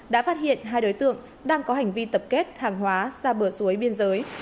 đã phát hiện hai đối tượng đang có hành vi tập kết hàng hóa ra bờ suối biên giới